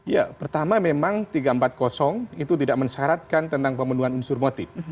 ya pertama memang tiga ratus empat puluh itu tidak mensyaratkan tentang pemenuhan unsur motif